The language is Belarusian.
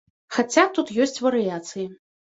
Хаця тут ёсць варыяцыі.